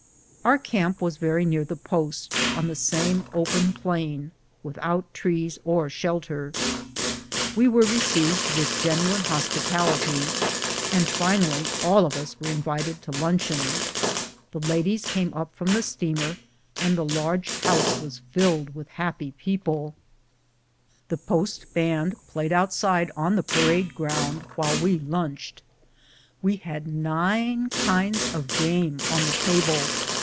Our camp was very near the post, on the same open plain, without trees or shelter. We were received with genuine hospitality, and finally all of us invited to luncheon. The ladies came up from the steamer, and the large house was filled with happy people. The A VISIT TO THE VILLAGE OF "TWO BEARS." 71 post band played outside on the parade ground while we lunched. We had nine kinds of game on the table.